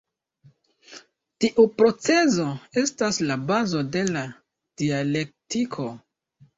Tiu procezo estas la bazo de la dialektiko.